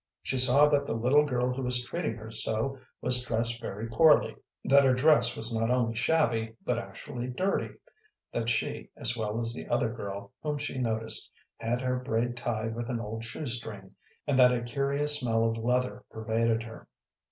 She saw that the little girl who was treating her so was dressed very poorly, that her dress was not only shabby, but actually dirty; that she, as well as the other girl whom she noticed, had her braid tied with an old shoe string, and that a curious smell of leather pervaded her.